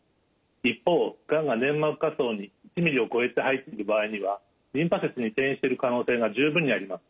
一方がんが粘膜下層に１ｍｍを超えて入ってる場合にはリンパ節に転移してる可能性が十分にあります。